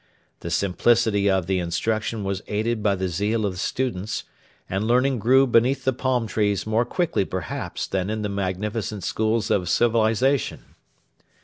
The simplicity of the instruction was aided by the zeal of the students, and learning grew beneath the palm trees more quickly perhaps than in the magnificent schools of civilisation.